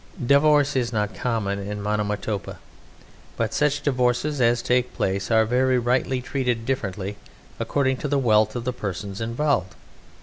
Divorce is not common in Monomotapa. But such divorces as take place are very rightly treated differently, according to the wealth of the persons involved.